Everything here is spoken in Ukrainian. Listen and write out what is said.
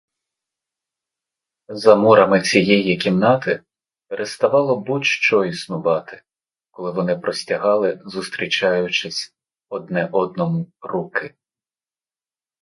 За мурами цієї кімнати переставало будь-що існувати, коли вони простягали, зустрічаючись, одне одному руки.